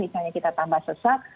misalnya kita tambah sesak